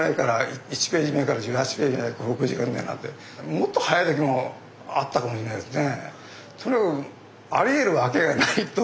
もっと速い時もあったかもしれないですね。